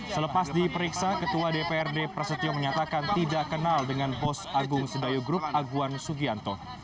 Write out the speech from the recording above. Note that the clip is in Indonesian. selepas diperiksa ketua dprd prasetyo menyatakan tidak kenal dengan bos agung sedayo group aguan sugianto